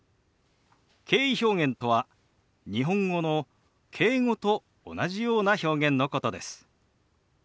敬意表現とは日本語の「敬語」と同じような表現のことです。